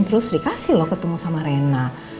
terus dikasih loh ketemu sama rena